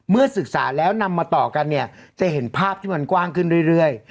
ศึกษาแล้วนำมาต่อกันเนี่ยจะเห็นภาพที่มันกว้างขึ้นเรื่อย